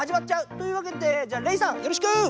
というわけでじゃあレイさんよろしく。